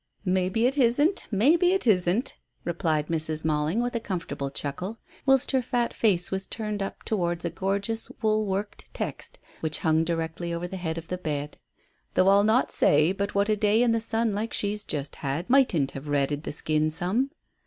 "Maybe it isn't maybe it isn't," replied Mrs. Malling, with a comfortable chuckle, whilst her fat face was turned up towards a gorgeous wool worked text which hung directly over the head of the bed, "though I'll not say but what a day in the sun like she's just had mightn't have redded the skin some."